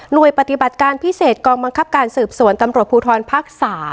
โดยปฏิบัติการพิเศษกองบังคับการสืบสวนตำรวจภูทรภาค๓